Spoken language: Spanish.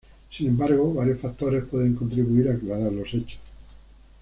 Sin embargo, varios factores pueden contribuir a aclarar los hechos.